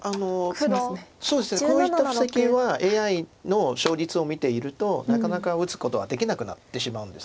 そうですねこういった布石はＡＩの勝率を見ているとなかなか打つことはできなくなってしまうんです。